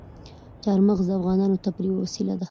چار مغز د افغانانو د تفریح یوه وسیله ده.